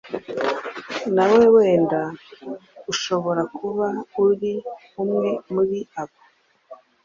Nawe wenda ushobora kuba uri umwe muri abo.